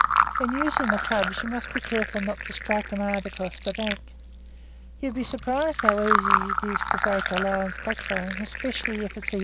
In using the clubs, you must be careful not to strike 'em hard across the back. You'd be surprised to know how easy it is to break a lion's backbone, especially if it's a young lion."